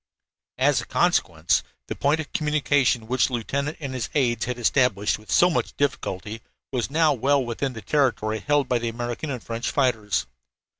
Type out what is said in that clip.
As a consequence, the point of communication which the lieutenant and his aides had established with so much difficulty was now well within the territory held by the American and French fighters.